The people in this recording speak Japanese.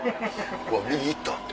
「うわ右行った」。